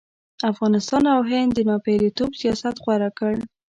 افغانستان او هند د ناپېلتوب سیاست غوره کړ.